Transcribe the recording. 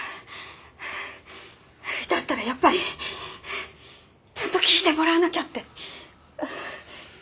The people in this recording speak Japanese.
だったらやっぱりちゃんと聞いてもらわなきゃって。